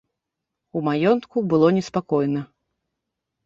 У маёнтку было неспакойна.